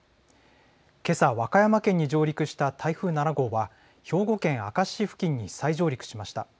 けさ、和歌山県に上陸した台風７号は、兵庫県明石市付近に再上陸しました。